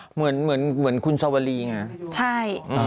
เหมือนคุณสวรีไงใช่